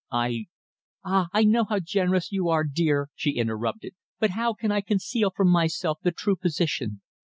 I " "Ah! I know how generous you are, dear," she interrupted, "but how can I conceal from myself the true position?